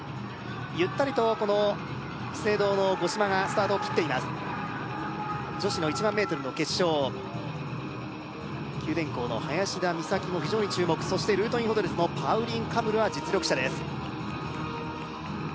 ゆったりとこの資生堂の五島がスタートを切っています女子の１００００ｍの決勝九電工の林田美咲も非常に注目そしてルートインホテルズのパウリン・カムルは実力者です